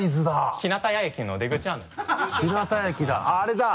日向谷駅だあれだ！